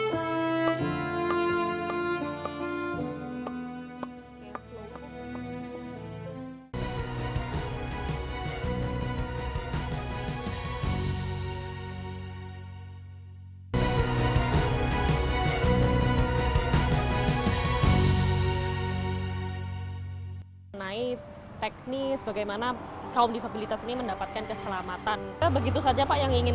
hai naik teknis bagaimana kaum disabilitas ini mendapatkan keselamatan begitu saja pak yang ingin